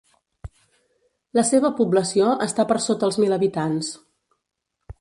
La seva població està per sota els mil habitants.